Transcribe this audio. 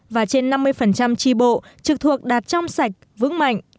và trên năm mươi tri bộ trực thuộc đạt trong sạch vững mạnh